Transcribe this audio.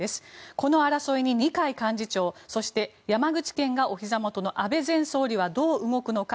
この争いに、二階幹事長そして、山口県がおひざ元の安倍前総理はどう動くのか。